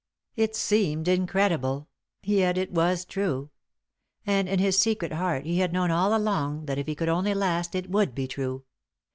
It seemed incredible; yet it was true. And in his secret heart he had known all along that if he could only last it would be true.